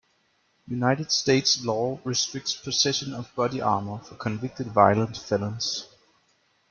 United States law restricts possession of body armor for convicted violent felons.